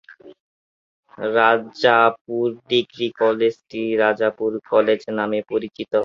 Rajapur degree কলেজটি "Rajapur college" নামে পরিচিত।